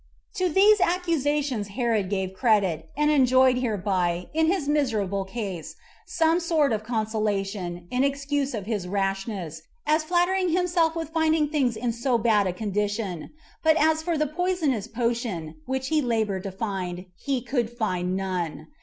5. To these accusations Herod gave credit, and enjoyed hereby, in his miserable case, some sort of consolation, in excuse of his rashness, as flattering himself with finding things in so bad a condition; but as for the poisonous potion, which he labored to find, he could find none.